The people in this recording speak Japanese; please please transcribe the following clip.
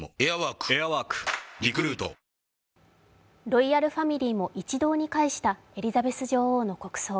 ロイヤルファミリーも一堂に会したエリザベス女王の国葬。